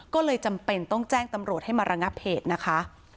ก็เลยจำเป็นต้องแจ้งตำรวจให้มาระงับเหตุนะคะ